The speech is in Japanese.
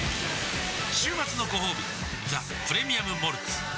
週末のごほうび「ザ・プレミアム・モルツ」わぁ！